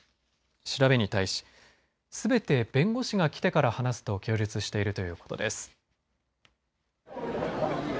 調べに対しすべて弁護士が来てから話すと供述しているということです。